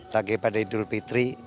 lagi pada idul fitri